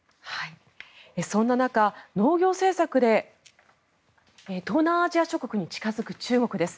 そんな中農業政策で東南アジア諸国に近づく中国です。